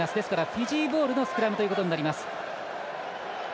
フィジーボールのスクラムということになります。